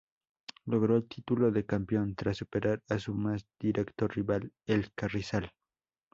Logró el título de campeón tras superar a su más directo rival, el Carrizal.